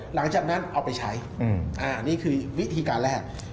หลังจากนั้นเอาไปใช้นี่คือวิธีการแรก